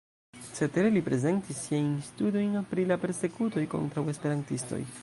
Cetere li prezentis siajn studojn pri la persekutoj kontraŭ esperantistoj.